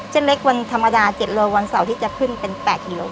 เส้นเล็กวันธรรมดา๗โลวันเสาร์ที่จะขึ้นเป็น๘กิโล